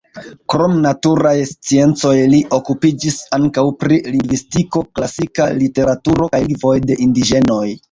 Krom naturaj sciencoj li okupiĝis ankaŭ pri lingvistiko, klasika literaturo, kaj lingvoj de indiĝenoj.